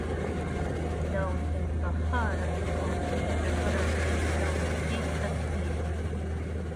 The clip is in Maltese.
Dawn il-baħħara jikkompetu regolarment f'dawn it-tip ta' tlielaq.